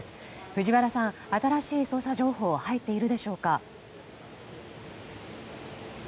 藤原さん、新しい捜査情報は入っているでしょうか。